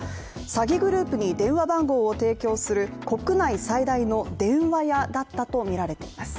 詐欺グループに電話番号を提供する国内最大の電話屋だったとみられています。